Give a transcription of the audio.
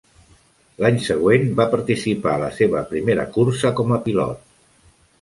L'any següent va participar a la seva primera cursa com a pilot.